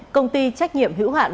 công ty trách nhiệm hữu hạn